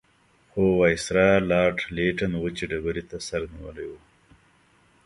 خو وایسرا لارډ لیټن وچې ډبرې ته سر نیولی وو.